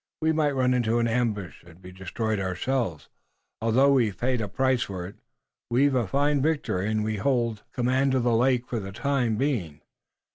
We might run into an ambush and be destroyed ourselves. Although we've paid a price for it, we've a fine victory and we hold command of the lake for the time being.